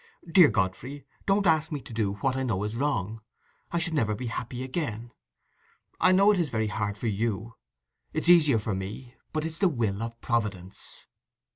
Dear Godfrey, don't ask me to do what I know is wrong: I should never be happy again. I know it's very hard for you—it's easier for me—but it's the will of Providence."